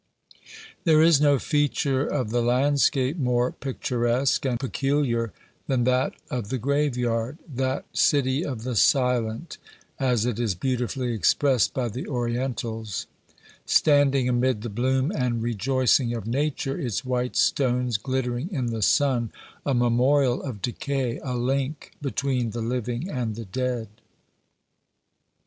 There is no feature of the landscape more picturesque and peculiar than that of the graveyard that "city of the silent," as it is beautifully expressed by the Orientals standing amid the bloom and rejoicing of nature, its white stones glittering in the sun, a memorial of decay, a link between the living and the dead.